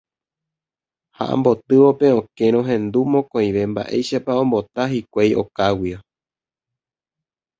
Ha ambotývo pe okẽ rohendu mokõive mba'éichapa ombota hikuái okáguio.